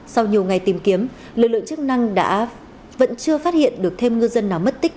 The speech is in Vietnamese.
sau nhiều ngày tìm kiếm lực lượng chức năng vẫn chưa phát hiện được thêm ngư dân nào mất tích